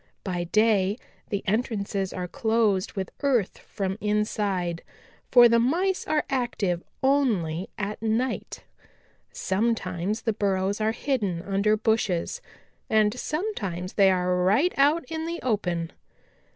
By day the entrances are closed with earth from inside, for the Mice are active only at night. Sometimes the burrows are hidden under bushes, and sometimes they are right out in the open.